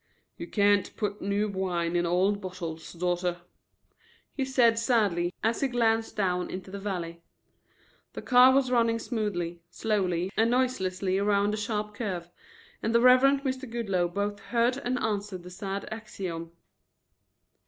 "You can't put new wine in old bottles, daughter," he said sadly, as he glanced down into the valley. The car was running smoothly, slowly and noiselessly around a sharp curve, and the Reverend Mr. Goodloe both heard and answered the sad axiom.